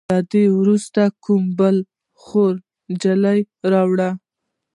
له دې وروسته به کومه بله خواره نجلې راولئ.